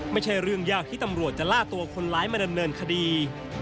ไม่ใช่เรื่องยากที่ตำรวจจะล่าตัวคนร้ายมาดำเนินคดี